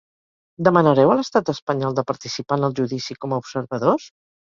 Demanareu a l’estat espanyol de participar en el judici com a observadors?